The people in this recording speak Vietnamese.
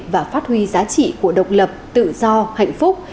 và phát huy giá trị của độc lập tự do hạnh phúc